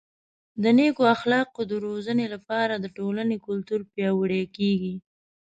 د نیکو اخلاقو د روزنې له لارې د ټولنې کلتور پیاوړی کیږي.